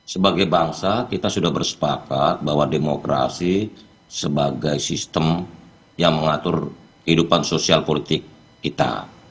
sebagai bangsa kita sudah bersepakat bahwa demokrasi sebagai sistem yang mengatur kehidupan sosial politik kita